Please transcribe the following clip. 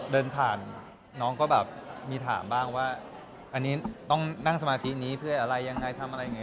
เดินผ่านน้องก็แบบมีถามบ้างว่าอันนี้ต้องนั่งสมาธินี้เพื่ออะไรยังไงทำอะไรอย่างนี้